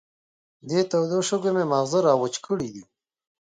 دې تودو شګو مې ماغزه را وچ کړې دي.